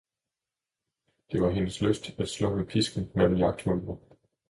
Det var hendes lyst at slå med pisken mellem jagthundene.